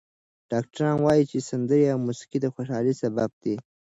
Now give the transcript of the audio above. ډاکټران وايي چې سندرې او موسیقي د خوشحالۍ سبب دي.